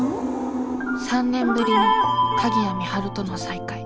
３年ぶりの鍵谷美晴との再会。